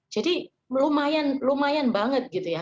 jadi lumayan lumayan banget gitu ya